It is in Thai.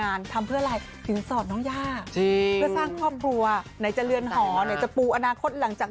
น่ารักไหมตอนนี้ยาพยายามจะหุบยิ้มเพราะว่าเขินมาก